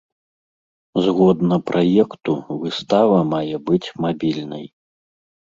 Згодна праекту, выстава мае быць мабільнай.